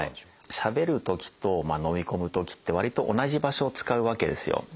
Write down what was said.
しゃべるときとのみ込むときってわりと同じ場所を使うわけですよ。